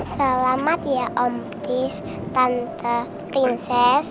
selamat ya om tis tante prinses